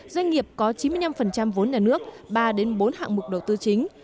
doanh nghiệp có chín mươi năm vốn nhà nước ba bốn hạng mục đầu tư chính